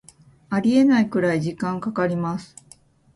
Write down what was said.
ありえないくらい時間かかります